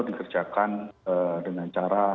dikerjakan ee dengan cara